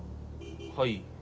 はい。